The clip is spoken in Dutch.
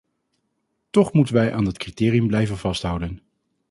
Toch moeten wij aan dat criterium blijven vasthouden.